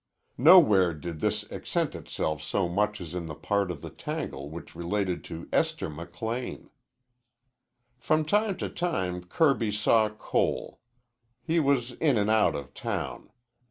Nowhere did this accent itself so much as in that part of the tangle which related to Esther McLean. From time to time Kirby saw Cole. He was in and out of town.